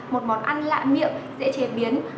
một món ăn lạ miệng dễ chế biến